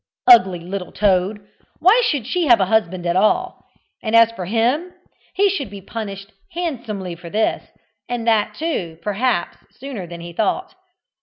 Ugly little toad! why should she have a husband at all? And as for him he should be punished handsomely for this, and that, too, perhaps, sooner than he thought.